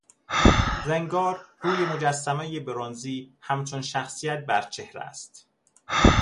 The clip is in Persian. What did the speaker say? زنگار روی مجسمهی برنزی همچون شخصیت بر چهره است.